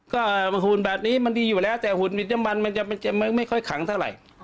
ก็หุ่นแบบนี้มันดีอยู่แล้วแต่หุ่นหิดน้ำมันมันจะไม่ค่อยขังเท่าไหร่